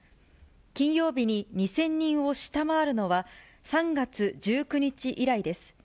金曜日に２０００人を下回るのは、３月１９日以来です。